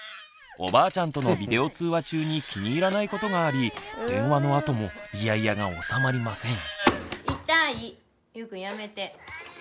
おばあちゃんとのビデオ通話中に気に入らないことがあり電話のあともイヤイヤが収まりません。